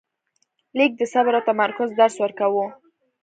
لیک د صبر او تمرکز درس ورکاوه.